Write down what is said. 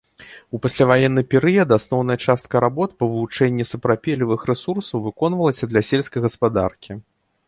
У пасляваенны перыяд асноўная частка работ па вывучэнні сапрапелевых рэсурсаў выконвалася для сельскай гаспадаркі.